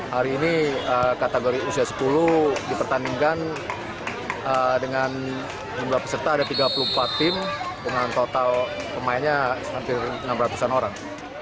hari ini kategori usia sepuluh dipertandingkan dengan jumlah peserta ada tiga puluh empat tim dengan total pemainnya hampir enam ratus an orang